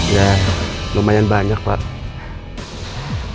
ya lumayan banyak pak